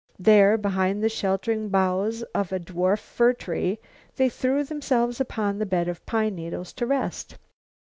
There, behind the sheltering boughs of a dwarf fir tree they threw themselves upon the bed of pine needles to rest.